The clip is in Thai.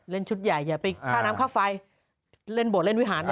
เล่นชุดใหญ่อย่าไปข้าน้ำข้าวไฟเล่นบวชเล่นวิหารเลย